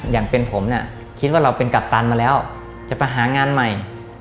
อย่างเป็นผมเนี่ยคิดว่าเราเป็นกัปตันมาแล้วจะไปหางานใหม่